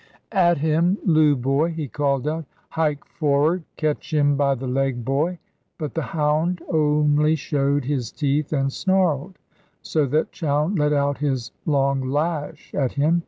"At him 'loo boy!" he called out; "Hike forrard, catch him by the leg, boy!" But the hound only showed his teeth and snarled; so that Chowne let out his long lash at him.